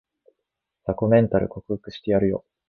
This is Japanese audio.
雑魚メンタル克服してやるよ